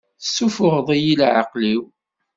Tessufuɣeḍ-iyi i leɛqel-iw!